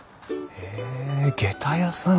へえげた屋さん。